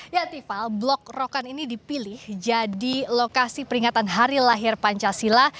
ya tiffal blok rokan ini dipilih jadi lokasi peringatan hari lahir pancasila